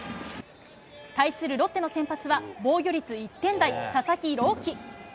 対するロッテの先発は、防御率１点台、佐々木朗希。